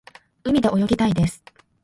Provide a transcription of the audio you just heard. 海で泳ぎたいです。